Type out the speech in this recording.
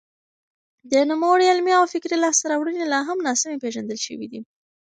د نوموړي علمي او فکري لاسته راوړنې لا هم ناسمې پېژندل شوې دي.